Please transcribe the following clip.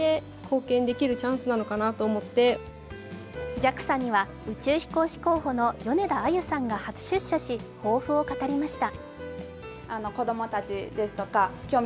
ＪＡＸＡには、宇宙飛行士候補の米田あゆさんが初出社し、抱負を語りました。